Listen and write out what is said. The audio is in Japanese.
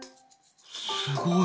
すごい。